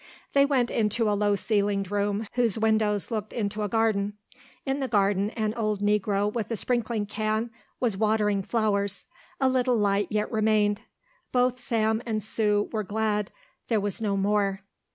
They went into a low ceilinged room whose windows looked into a garden. In the garden an old Negro with a sprinkling can was watering flowers. A little light yet remained. Both Sam and Sue were glad there was no more.